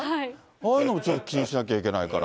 ああいうのも気にしなきゃいけないから。